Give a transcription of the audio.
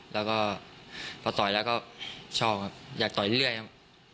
แล้วก็พอต่อยแล้วก็ชอบครับอยากต่อยเรื่อยครับ